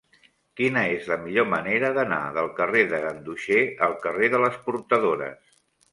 Quina és la millor manera d'anar del carrer de Ganduxer al carrer de les Portadores?